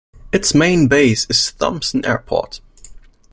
Its main base is Thompson Airport.